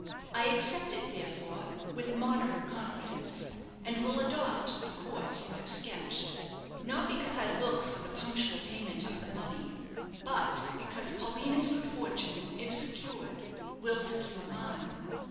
I accept it, therefore, with moderate confidence, and will adopt the course you have sketched, not because I look for the punctual payment of the money, but because Paulina's good fortune, if secured, will secure mine.